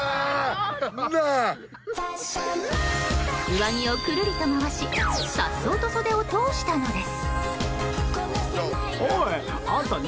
上着をくるりと回し颯爽と袖を通したのです。